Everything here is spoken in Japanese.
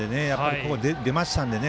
ここ出ましたんでね。